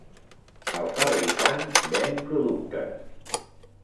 El fabricant ven productes.